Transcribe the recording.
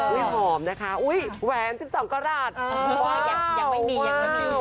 อื้อหอมนะคะอุ๊ยแหวน๑๒กราดอ้าวยังไม่มียังไม่มี